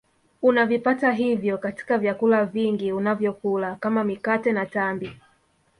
Unavipata hivyo katika vyakula vingi unavyokula kama mikate na tambi